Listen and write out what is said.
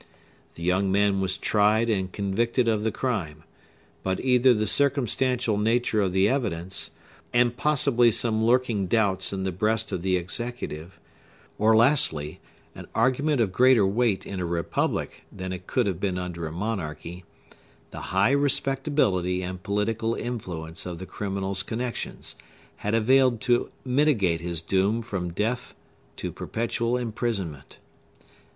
The young man was tried and convicted of the crime; but either the circumstantial nature of the evidence, and possibly some lurking doubts in the breast of the executive, or, lastly—an argument of greater weight in a republic than it could have been under a monarchy,—the high respectability and political influence of the criminal's connections, had availed to mitigate his doom from death to perpetual imprisonment.